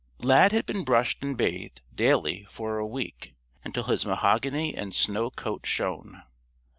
Lad had been brushed and bathed, daily, for a week, until his mahogany and snow coat shone.